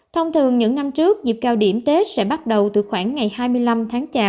thông thường những năm trước dịp cao điểm tết sẽ bắt đầu từ khoảng ngày hai mươi năm tháng chạp